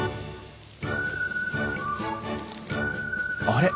あれ？